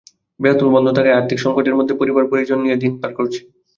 বেতন বন্ধ থাকায় আর্থিক সংকটের মধ্যে পরিবার-পরিজন নিয়ে দিন পার করছি।